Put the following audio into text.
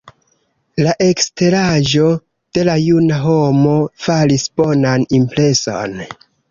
La eksteraĵo de la juna homo faris bonan impreson.